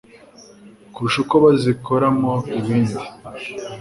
kurusha uko bazikoramo ibindi